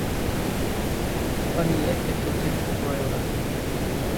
পালিয়ে এক ফ্যাক্টরিতে ঢুকে পড়ে ওরা।